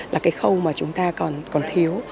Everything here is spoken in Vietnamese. là cái khâu mà chúng ta còn thiếu